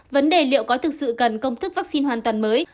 vấn đề liệu có thực sự cần công thức vaccine hoàn toàn mới